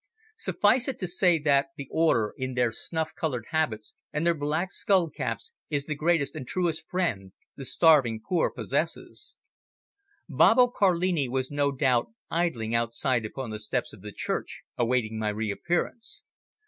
Suffice it to say that the Order in their snuff coloured habits and their black skull caps is the greatest and truest friend the starving poor possesses. Babbo Carlini was no doubt idling outside upon the steps of the church awaiting my reappearance.